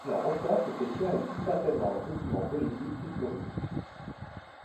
Il en ressort que cette pierre est plus certainement un document politique qu'historique.